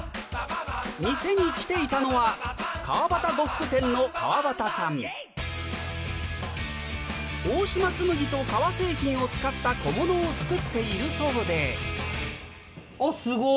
店に来ていたのは大島紬と革製品を使った小物を作っているそうであっすごい。